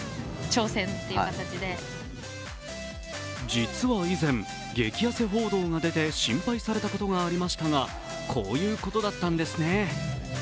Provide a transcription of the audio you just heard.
実は以前、激痩せ報道が出て心配されたことがありましたが、こういうことだったんですね。